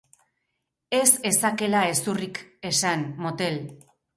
Ez ezakela gezurrik esan, motel!